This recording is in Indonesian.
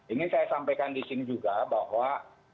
ingin saya sampaikan di sini juga bahwa